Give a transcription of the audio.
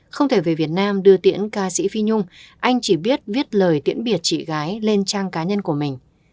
không thể về việt nam đưa tiễn ca sĩ phi nhung anh chỉ biết viết lời tiễn biệt chị gái lên trang cá nhân của mình